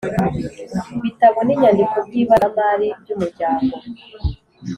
bitabo n inyandiko by ibaruramari by Umuryango